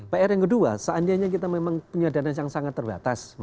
pr yang kedua seandainya kita memang punya dana yang sangat terbatas